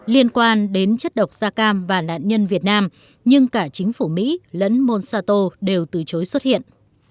liên quan đến chất độc da cam và nạn nhân việt nam nhưng cả chính phủ mỹ lẫn monsato đều từ chối xuất hiện